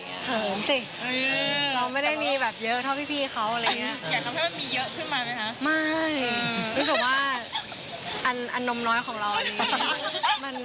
เหมือนสิเราไม่ได้มีแบบเยอะเท่าพี่เขาอะไรอย่างนี้